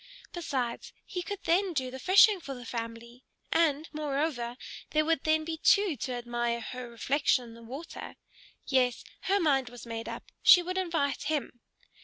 Besides, he could then do the fishing for the family; and, moreover, there would then be two to admire her reflection in the water. Yes; her mind was made up. She would invite him.